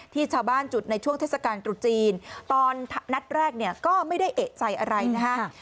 ที่ชาวบ้านจุดในช่วงเทศกาลตรุษจีนตอนนัดแรกเนี่ยก็ไม่ได้เอกใจอะไรนะฮะ